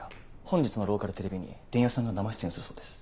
本日のローカルテレビに伝弥さんが生出演するそうです。